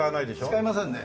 使いませんね。